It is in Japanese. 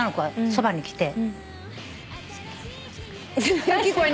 そばに来て。